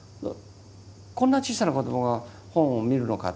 こんな小さな子どもが本を見るのかって